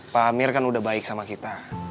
pak amir kan udah baik sama kita